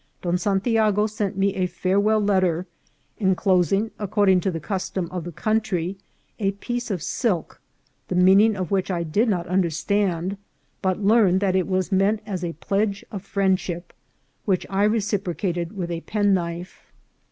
Don Santiago sent me a farewell let ter, enclosing, according to the custom of the country, a piece of silk, the meaning of which I did not un derstand, but learned that it was meant as a pledge of friendship, which I reciprocated with a penknife.